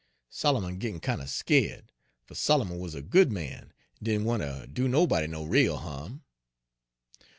Solomon, gittin' kin' er skeered; fer Solomon wuz a good man, en didn' want ter do nobody no rale ha'm.